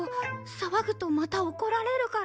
騒ぐとまた怒られるから。